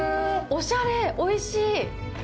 おしゃれ、おいしい。